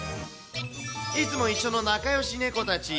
いつも一緒の仲よし猫たち。